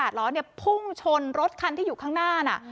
ล้อเนี่ยพุ่งชนรถคันที่อยู่ข้างหน้าน่ะ